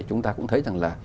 chúng ta cũng thấy rằng là